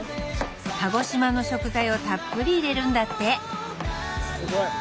鹿児島の食材をたっぷり入れるんだってすごい！